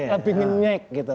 lebih nyenyek gitu